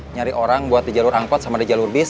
nyari orang buat di jalur angkot sama di jalur bis